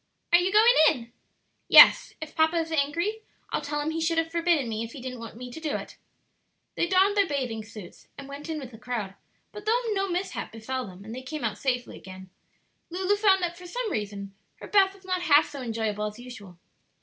"Are you going in?" "Yes; if papa is angry I'll tell him he should have forbidden me if he didn't want me to do it." They donned their bathing suits and went in with the crowd; but though no mishap befell them and they came out safely again, Lulu found that for some reason her bath was not half so enjoyable as usual.